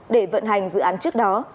để vận hành dự án trước đó